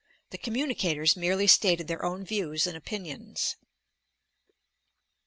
(The communi cators merely stated their own views and opinions.)